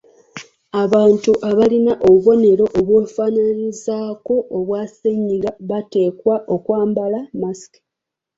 Abantu abalina obubonero obwefaanaanyirizaako obwa ssennyiga bateekwa okwambala masiki.